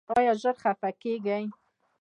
ایا ژر خفه کیږئ؟